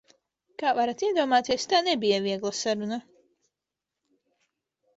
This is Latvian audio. Kā varat iedomāties, tā nebija viegla saruna.